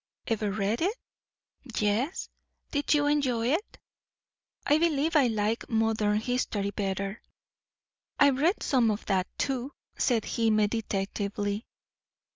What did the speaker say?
"Ever read it?" "Yes." "Didn't you enjoy it?" "I believe I like Modern history better." "I've read some o' that too," said he meditatively.